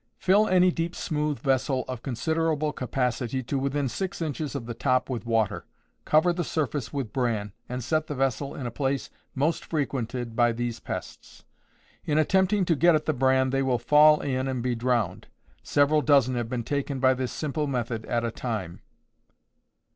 _ Fill any deep smooth vessel of considerable capacity to within six inches of the top with water, cover the surface with bran, and set the vessel in a place most frequented by these pests. In attempting to get at the bran they will fall in and be drowned. Several dozen have been taken by this simple method at a time.